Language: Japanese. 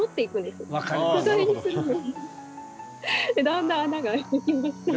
だんだん穴が開いてきました。